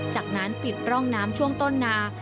จากนั้นปิดร่องน้ำช่วงต้นนา